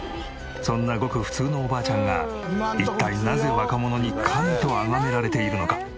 そんなごく普通のおばあちゃんが一体なぜ若者に神と崇められているのか？